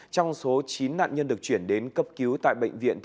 trong số chín nạn nhân được chuyển đến cấp cứu tại bệnh viện